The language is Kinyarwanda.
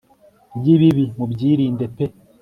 Yibibi mubyirinde pe